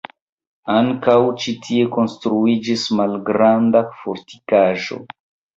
Ankaŭ ĉi tie konstruiĝis malgranda fortikaĵo.